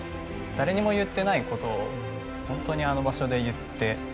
誰にも言っていないことを本当に、あの場所で言って。